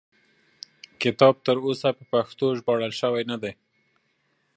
کتاب تر اوسه په پښتو ژباړل شوی نه دی.